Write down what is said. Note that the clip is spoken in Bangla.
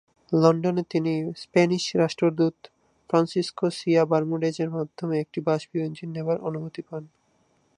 লন্ডনে তিনি স্প্যানিশ রাষ্ট্রদূত ফ্রান্সিসকো সিয়া বার্মুডেজ-এর মাধ্যমে একটি বাষ্পীয় ইঞ্জিন নেবার অনুমতি পান।